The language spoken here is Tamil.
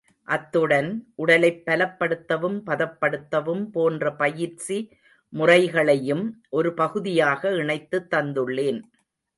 அத்துடன், உடலைப் பலப்படுத்தவும், பதப்படுத்தவும் போன்ற பயிற்சி முறைகளையும் ஒரு பகுதியாக இணைத்துத் தந்துள்ளேன்.